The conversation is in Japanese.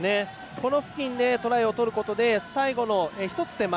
この付近でトライを取ることで最後の１つ手前